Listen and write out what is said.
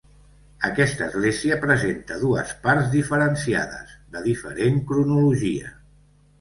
Aquesta església presenta dues parts diferenciades, de diferent cronologia.